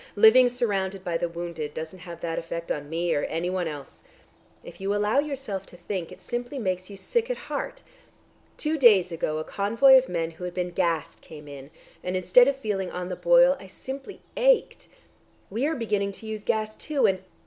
"Living surrounded by the wounded doesn't have that effect on me or anyone else. If you allow yourself to think, it simply makes you sick at heart. Two days ago a convoy of men who had been gassed came in, and instead of feeling on the boil, I simply ached. We are beginning to use gas too, and ...